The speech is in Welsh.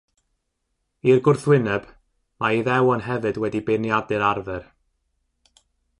I'r gwrthwyneb, mae Iddewon hefyd wedi beirniadu'r arfer.